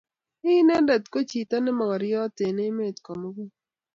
lin inendet ko chito ne mogoriot eng emet komugul